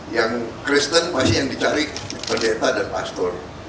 yang kristen pasti yang dicari pendeta dan pastor